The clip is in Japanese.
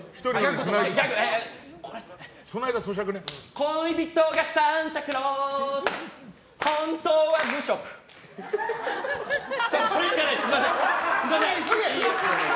恋人がサンタクロース